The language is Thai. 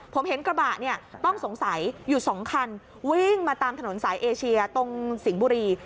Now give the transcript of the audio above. ผมเห็นกระบะเนี่ยต้องสงสัยอยู่สองคันวิ่งมาตามถนนสายเอเชียตรงสิงห์บุรี